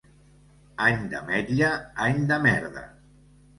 Any d'ametlla, any de merda.